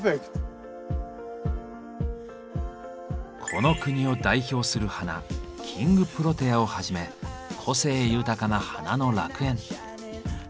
この国を代表する花「キングプロテア」をはじめ個性豊かな花の楽園。